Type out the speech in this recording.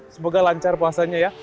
semoga lancar puasanya ya